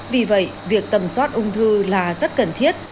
vì vậy việc tầm soát ung thư là rất cần thiết